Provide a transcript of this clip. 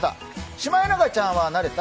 シマエナガちゃんは慣れた？